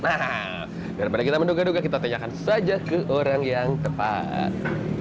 nah daripada kita menduga duga kita tanyakan saja ke orang yang tepat